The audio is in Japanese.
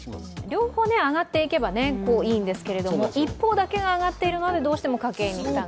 両方上がっていけばいいんですけど、一方だけが上がっているのでどうしても家計に負担が。